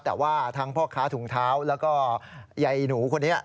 แต่ว่าทั้งพ่อค้าถุงเท้าแล้วก็ยายหนูคนนี้